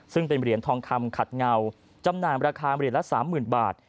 ซึ่งเป็นเหรียญทองคำขัดเงาจำหน่ายราคาเหรียญละ๓๐๐๐บาท